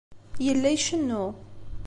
Yella icennu.